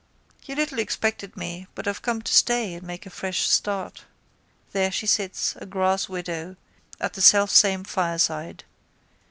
You little expected me but I've come to stay and make a fresh start. There she sits, a grasswidow, at the selfsame fireside.